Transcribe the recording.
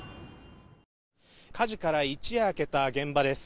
火事から一夜明けた現場です。